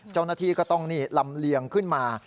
เจ้าหน้าที่ก็ต้องลำเลียงขึ้นมา